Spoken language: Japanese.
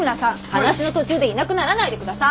話の途中でいなくならないでください！